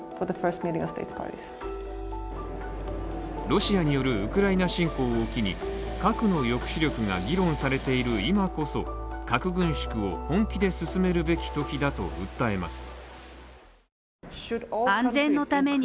ロシアによるウクライナ侵攻を機に、核の抑止力が議論されている今こそ、核軍縮を本気で進めるべきときだと訴えます。